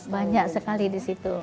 banyak sekali di situ